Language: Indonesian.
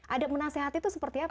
ada menasehati itu seperti apa